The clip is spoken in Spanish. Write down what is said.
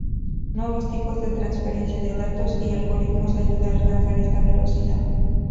Nuevos tipos de transferencia de datos y algoritmos ayudan a alcanzar esta velocidad.